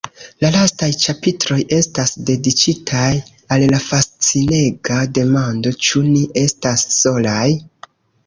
La lastaj ĉapitroj estas dediĉitaj al la fascinega demando: “Ĉu ni estas solaj?